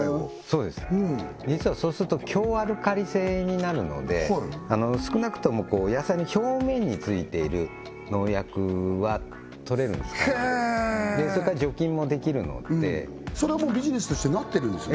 そうです実はそうすると強アルカリ性になるので少なくとも野菜の表面についてる農薬は取れるんですそれから除菌もできるのでそれはもうビジネスとしてなってるんですか？